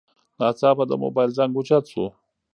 ناڅاپه د موبایل زنګ اوچت شو.